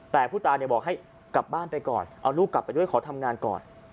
แต่ผู้ตายบอกให้กลับบ้านไปก่อนเอาลูกกลับไปด้วยขอทำงานก่อน